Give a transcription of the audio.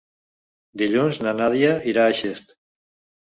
Dilluns na Nàdia irà a Xest.